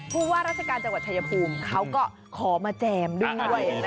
ผู้ว่ารัศกาลจังหวัดชายพุมเขาก็ขอมาแจบด้วย